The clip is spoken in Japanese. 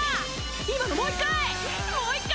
今のもう１回！